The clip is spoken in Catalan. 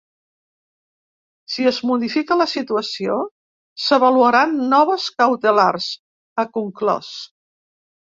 “Si es modifica la situació, s’avaluaran noves cautelars”, ha conclòs.